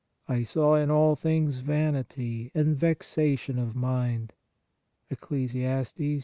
... I saw in all things vanity and vexation of mind" (Eccles.